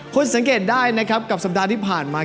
คุณสังเกตได้นะครับกับสัปดาห์ที่ผ่านมา